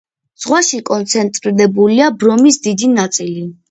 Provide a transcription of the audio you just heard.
ზღვაში კონცენტრირებულია ბრომის დიდი ნაწილი.